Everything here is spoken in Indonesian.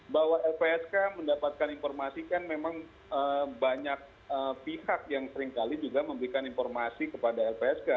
bahwa lpsk mendapatkan informasi kan memang banyak pihak yang seringkali juga memberikan informasi kepada lpsk